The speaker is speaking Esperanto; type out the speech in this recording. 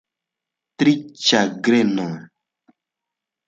Tri ĉagrenoj.